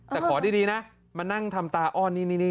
แต่ขอดีดีนะมานั่งทำตาอ้อนนี่นี่นี่